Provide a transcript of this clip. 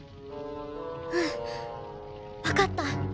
うんわかった。